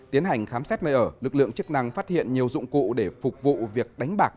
tiến hành khám xét nơi ở lực lượng chức năng phát hiện nhiều dụng cụ để phục vụ việc đánh bạc